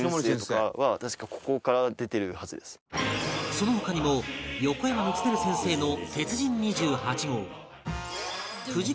その他にも横山光輝先生の『鉄人２８号』藤子